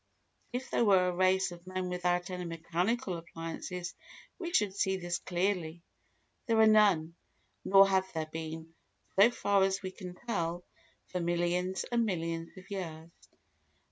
If there were a race of men without any mechanical appliances we should see this clearly. There are none, nor have there been, so far as we can tell, for millions and millions of years.